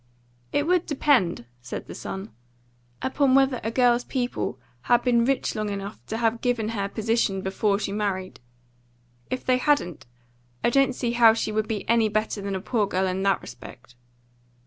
"It would depend," said the son, "upon whether a girl's people had been rich long enough to have given her position before she married. If they hadn't, I don't see how she would be any better than a poor girl in that respect."